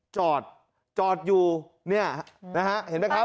จอดจอดอยู่เนี่ยนะฮะเห็นไหมครับ